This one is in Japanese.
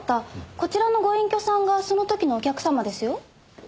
こちらのご隠居さんがその時のお客様ですよ。